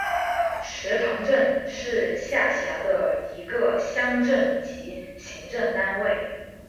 石塘镇是下辖的一个乡镇级行政单位。